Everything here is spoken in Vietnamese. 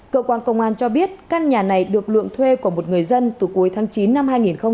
cơ quan công an cho biết căn nhà này được lượng thuê của một người dân từ cuối tháng chín năm hai nghìn hai mươi ba